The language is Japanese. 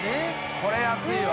これ安いわ。